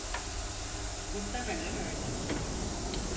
Muhtemelen öyle.